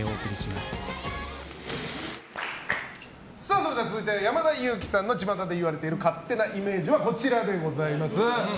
それでは続いて山田裕貴さんのちまたで言われている勝手なイメージはこちらでございます。